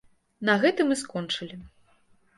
На гэтым і скончылі.